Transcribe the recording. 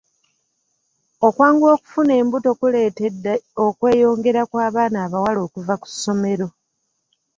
Okwanguwa okufuna embuto kuleetedde okweyongera kw'abaana abawala okuva ku ssomero.